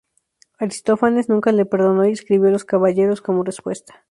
Aristófanes nunca le perdonó, y escribió "Los caballeros" como respuesta.